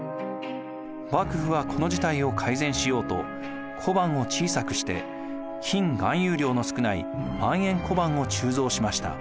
幕府はこの事態を改善しようと小判を小さくして金含有量の少ない万延小判を鋳造しました。